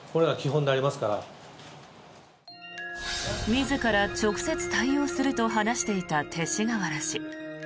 自ら直接対応すると話していた勅使河原氏。